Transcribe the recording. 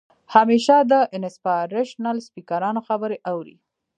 همېشه د انسپارېشنل سپيکرانو خبرې اورئ